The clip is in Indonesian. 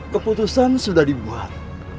keputusan sudah dibuat